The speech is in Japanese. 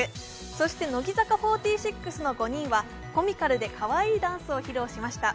そして乃木坂４６の５人は、コミカルでかわいいダンスを披露しました。